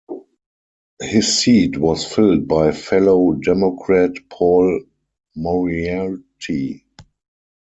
His seat was filled by fellow Democrat Paul Moriarty.